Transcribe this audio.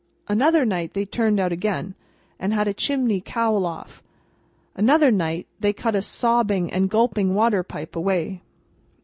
Another night, they turned out again, and had a chimney cowl off. Another night, they cut a sobbing and gulping water pipe away.